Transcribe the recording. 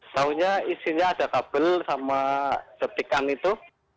saunya isinya ada kabel sama detikan itu